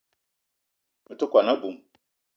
Me te kwuan a-bum